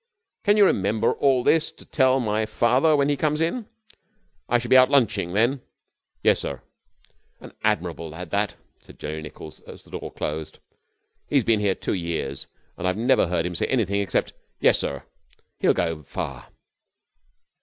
Can you remember all this to tell my father when he comes in? I shall be out lunching then.' 'Yes, sir.' 'An admirable lad that,' said Jerry Nichols as the door closed. 'He has been here two years, and I have never heard him say anything except "Yes, sir." He will go far.